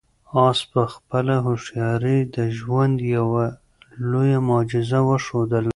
آس په خپله هوښیارۍ د ژوند یوه لویه معجزه وښودله.